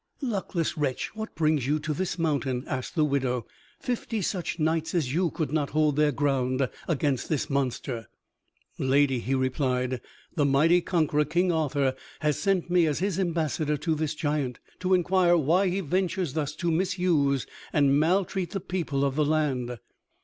Luckless wretch, what brings you to this mountain?" asked the widow. "Fifty such knights as you could not hold their ground against the monster." "Lady," he replied, "the mighty conqueror King Arthur has sent me as his ambassador to this giant, to inquire why he ventures thus to misuse and maltreat the people of the land."